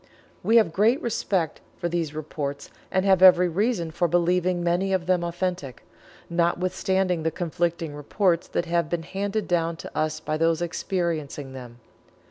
We have great respect for these reports, and have every reason for believing many of them authentic, notwithstanding the conflicting reports that have been handed down to us by those experiencing them.